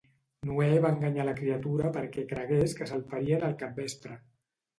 Noè va enganyar la criatura perquè cregués que salparien al capvespre.